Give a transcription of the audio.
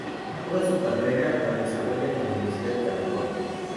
Toda su carrera la desarrolla en la Universidad de California.